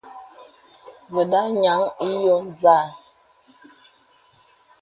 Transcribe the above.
Və̀da nyaŋ ǐ yo nzâ.